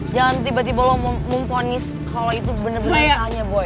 jangan tiba tiba lo memponis kalau itu bener bener soalnya boy